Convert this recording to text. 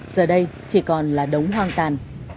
giờ đây chỉ còn là đống hoang tàn